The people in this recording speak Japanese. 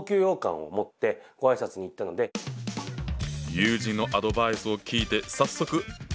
友人のアドバイスを聞いて早速デパートへ。